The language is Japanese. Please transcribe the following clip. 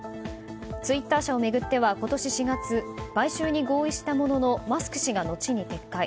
ツイッター社を巡っては今年４月買収に合意したもののマスク氏が、のちに撤回。